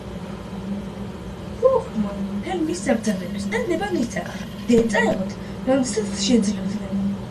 მოუხმო მთელ მის საბრძანებელს და ნება მისცა იმდენი წაეღოთ, რამდენსაც შეძლებდნენ.